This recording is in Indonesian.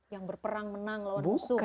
yang berperang menang lawan musuh gitu